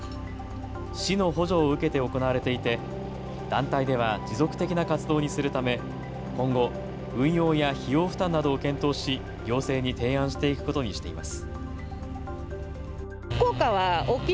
市の補助を受けて行われていて団体では持続的な活動にするため今後、運用や費用負担などを検討し、行政に提案していくことにしています。